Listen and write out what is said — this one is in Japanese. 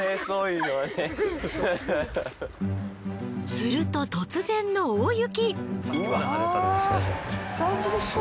すると突然の大雪。